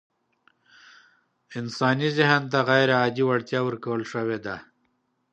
انساني ذهن ته غيرعادي وړتيا ورکول شوې ده.